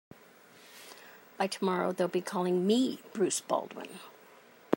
By tomorrow they'll be calling me Bruce Baldwin.